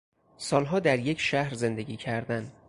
سالها در یک شهر زندگی کردن